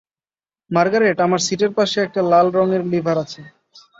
Margaret, আমার সিটের পাশে একটি লাল রঙের লিভার আছে।